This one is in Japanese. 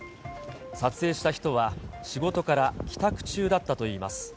撮影した人は、仕事から帰宅中だったといいます。